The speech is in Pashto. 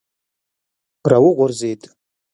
را وغورځېد.